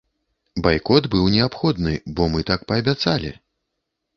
Байкот быў неабходны, бо мы так паабяцалі.